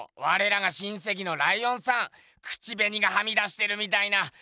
われらが親せきのライオンさん口べにがはみ出してるみたいな。